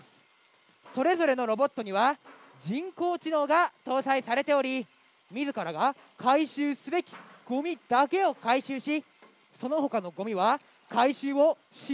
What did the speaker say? それぞれのロボットには人工知能が搭載されており自らが回収すべきゴミだけを回収しその他のゴミは回収をしないようになっています。